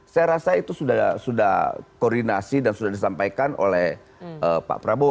saya rasa itu sudah koordinasi dan sudah disampaikan oleh pak prabowo